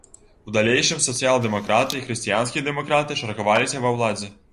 У далейшым сацыял-дэмакраты і хрысціянскія дэмакраты чаргаваліся ва ўладзе.